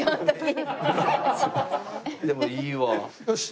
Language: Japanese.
でもいいわ。よし。